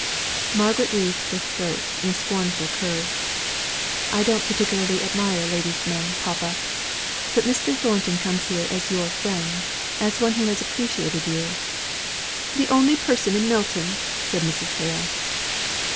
Margaret wreathed her throat in a scornful curve. "I don't particularly admire ladies' men, papa. But Mr. Thornton comes here as your friend as one who has appreciated you" "The only person in Milton," said Mrs. Hale.